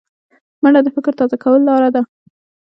منډه د فکر تازه کولو لاره ده